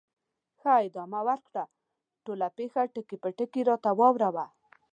ښه، ادامه ورکړه، ټوله پېښه ټکي په ټکي راته واوره وه.